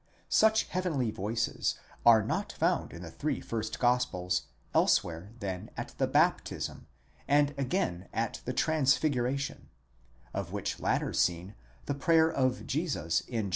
Such heavenly voices are not found in the three first gospels elsewhere than at the baptism and again at the transfiguration ; of which latter scene the prayer of Jesus in John: 10 Vid.